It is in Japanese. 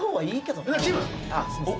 あっすいません。